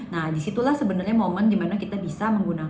nah disitulah sebenarnya momen dimana kita bisa menggunakan